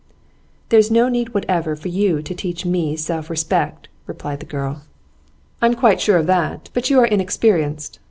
'There's no need whatever for you to teach me self respect,' replied the girl. 'I'm quite sure of that; but you are inexperienced.